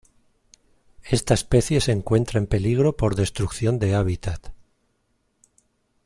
Esta especie se encuentra en peligro por destrucción de hábitat.